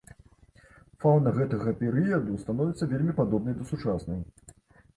Фаўна гэтага перыяду становіцца вельмі падобнай да сучаснай.